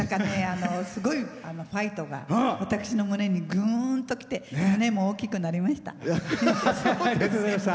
すごいファイトが私の胸にぐーんときて胸も大きくなりました。